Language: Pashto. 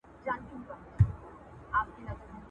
له ټوخي یې په عذاب کلی او کور وو؛